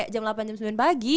delapan jam sembilan pagi